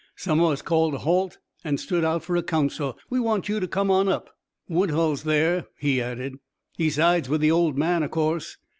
Some o' us called a halt an' stood out fer a council. We want you to come on up. "Woodhull's there," he added. "He sides with the old man, o' course.